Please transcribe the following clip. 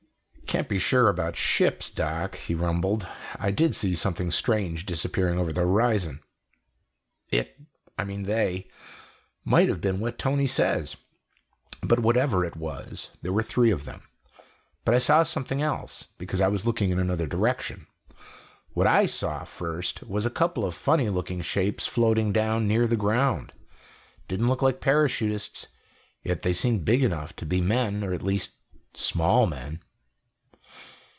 "Can't be sure about ships, Doc," he rumbled. "I did see something strange disappearing over the horizon. It I mean they might have been what Tony says; but whatever it was, there were three of them. But I saw something else, because I was looking in another direction. What I saw first was a couple of funny looking shapes floating down near the ground. Didn't look like parachutists, yet they seemed big enough to be men or at least, small men."